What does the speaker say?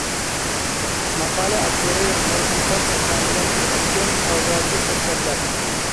ماقالە ئاپتورى مىرسۇلتان ئوسمان بىلەن ئۆتكۈزگەن ئاغزاكى سۆھبەتلەر.